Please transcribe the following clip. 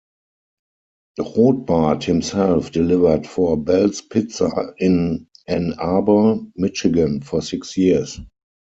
Rothbart himself delivered for Bell's Pizza in Ann Arbor, Michigan for six years.